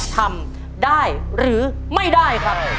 ทำได้หรือไม่ได้ครับ